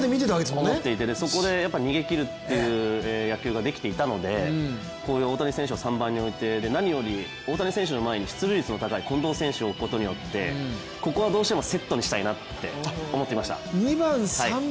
そこで逃げきるという野球ができていたのでこういう、大谷選手を３番において何より大谷選手の前に出塁率の高い近藤選手を置くことによって、ここはどうしてもセットにしたいなと思っていました。